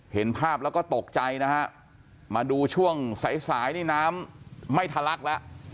เห็นภาพแล้วก็ตกใจนะฮะมาดูช่วงสายสายนี่น้ำไม่ทะลักแล้ว